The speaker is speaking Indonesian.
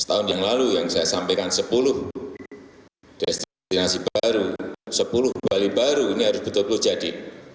lima belas tahun yang lalu yang saya sampaikan sepuluh destinasi baru sepuluh bali baru ini harus betul betul jadi